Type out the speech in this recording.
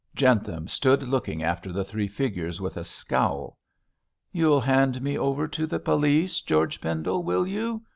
Jentham stood looking after the three figures with a scowl. 'You'll hand me over to the police, George Pendle, will you?'